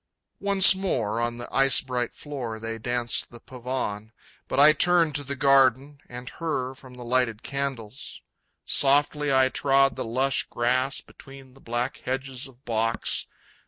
Once more on the ice bright floor they danced the pavon But I turned to the garden and her from the lighted candles. Softly I trod the lush grass between the black hedges of box.